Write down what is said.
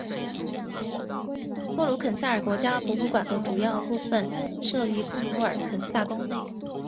布鲁肯撒尔国家博物馆的主要部分设于布鲁肯撒尔宫内。